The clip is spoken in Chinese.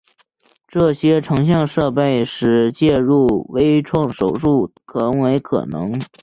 这些成像设备使介入微创手术成为可能。